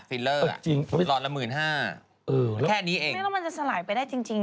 ฟิลเลอร์จริงหลอดละหมื่นห้าเออแค่นี้เองไม่แล้วมันจะสลายไปได้จริงจริง